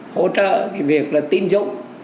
hỗ trợ cái việc là tiêm dụng